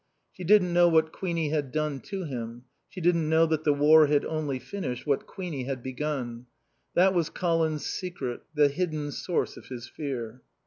She didn't know what Queenie had done to him. She didn't know that the war had only finished what Queenie had begun. That was Colin's secret, the hidden source of his fear.